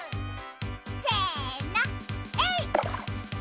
せのえいっ！